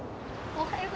おはよう。